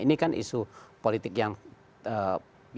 ini kan isu politik yang bisa